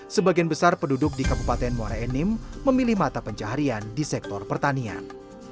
sebagian besar penduduk di kabupaten muara enim memilih mata pencaharian di sektor pertanian